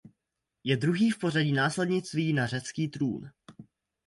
Je druhý v pořadí následnictví na řecký trůn.